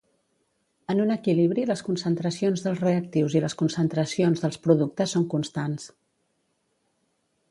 En un equilibri les concentracions dels reactius i les concentracions dels productes són constants.